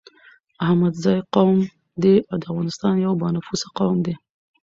احمدزی قوم دي افغانستان يو با نفوسه قوم دی